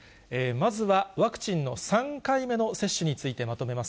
まずはワクチンの３回目の接種についてまとめます。